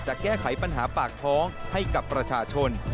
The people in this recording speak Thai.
แก้ไขปัญหาปากท้องให้กับประชาชน